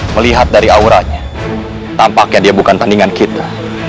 melihat dari auranya tampaknya dia bukan tandingan kita